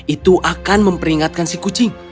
itu akan memperingatkan si kucing